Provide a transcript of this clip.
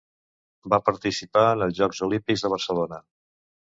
Va participar en els Jocs Olímpics de Barcelona.